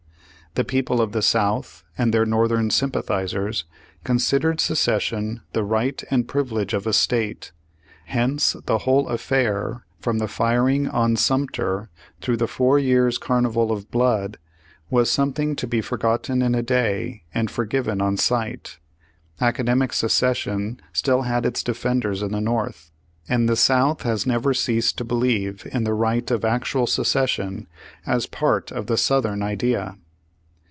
The people of the South, and their northern sympathizers, considered secession the right and privilege of a state, hence the whole affair from the firing on Sumter, through the four years' carnival of blood, was something to be forgotten in a day and forgiven on sight Academic seces sion still has its defenders in the North, and the South has never ceased to believe in the right of actual secession, as part of the Southern idea.